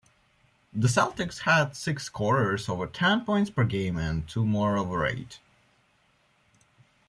The Celtics had six scorers over ten-points per game and two more over eight.